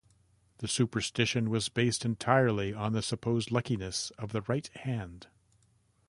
The superstition was based entirely on the supposed luckiness of the right hand.